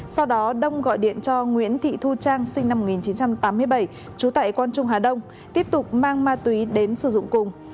sau đó đông gọi điện cho nguyễn thị thu trang sinh năm một nghìn chín trăm tám mươi bảy trú tại quang trung hà đông tiếp tục mang ma túy đến sử dụng cùng